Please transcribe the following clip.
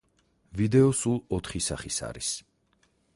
ვიდეო სულ ოთხი სახის არის.